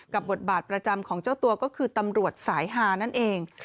บทบาทประจำของเจ้าตัวก็คือตำรวจสายฮานั่นเอง